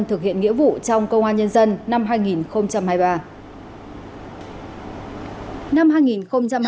thực hiện nghĩa vụ trong công an nhân dân năm hai nghìn hai mươi ba